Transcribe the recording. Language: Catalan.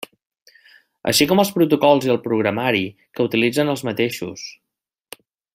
Així com els protocols i el programari que utilitzen els mateixos.